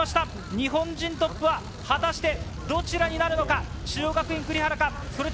日本人トップはどちらになるのか？